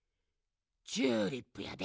チューリップやで。